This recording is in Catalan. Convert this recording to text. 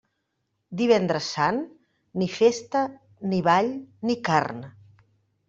Divendres sant, ni festa, ni ball, ni carn.